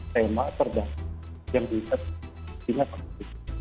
tema terdampak yang diikat di tiktok